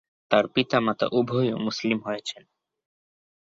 তাঁর পিতা-মাতা উভয়েই মুসলিম হয়েছিলেন।